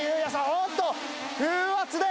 おっと風圧で。